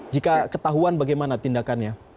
jika ketahuan bagaimana tindakannya